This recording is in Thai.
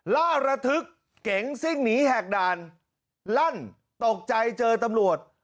ล่าระทึกเก๋งซิ่งหนีแหกด่านลั่นตกใจเจอตำรวจ